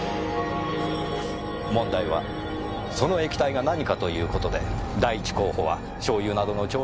問題はその液体が何かという事で第一候補はしょうゆなどの調味料なんですが。